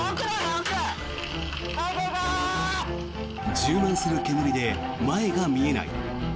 充満する煙で前が見えない。